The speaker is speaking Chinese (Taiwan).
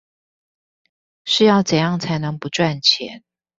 是要怎樣才能不賺錢